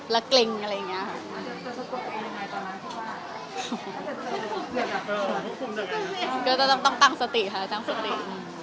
และเกร็งอะไรอย่างนี้